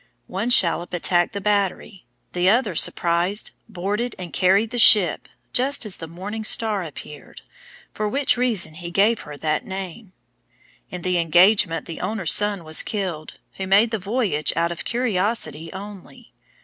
One shallop attacked the battery; the other surprised, boarded and carried the ship, just as the morning star appeared, for which reason he gave her that name. In the engagement the owner's son was killed, who made the voyage out of curiosity only.